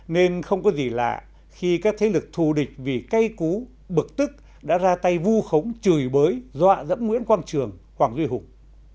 nên không có gì lạ khi các thế lực thù địch vì cay cú bực tức đã ra tay vu khống chửi bới dọa dẫm nguyễn quang trường hoàng duy hùng